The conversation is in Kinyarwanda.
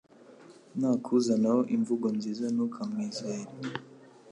nakuzanaho imvugo nziza ntukamwizere